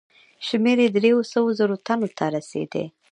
شمېر یې دریو سوو زرو تنو ته رسېدی.